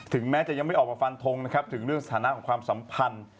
แม้จะยังไม่ออกมาฟันทงนะครับถึงเรื่องสถานะของความสัมพันธ์